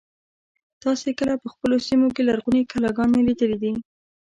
تاسې کله په خپلو سیمو کې لرغونې کلاګانې لیدلي دي.